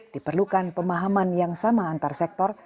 diperlukan pemahaman yang sama antar sektor